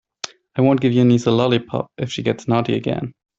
I won't give your niece a lollipop if she gets naughty again.